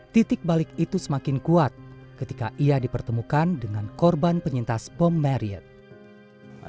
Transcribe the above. titik balik itu semakin kuat ketika ia dipertemukan dengan korban penyintas bom marrioth